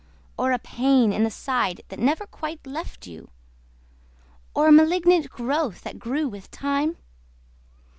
Or a pain in the side that never quite left you? Or a malignant growth that grew with time?